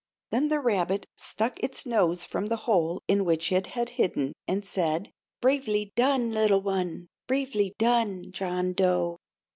Then the rabbit stuck its nose from the hole in which it had hidden and said: "Bravely done, little one. Bravely done, John Dough.